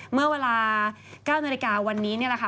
เมื่อเวลา๙นาฬิกาวันนี้นี่แหละค่ะ